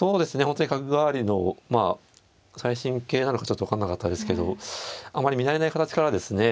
本当に角換わりのまあ最新型なのかちょっと分かんなかったですけどあまり見慣れない形からですね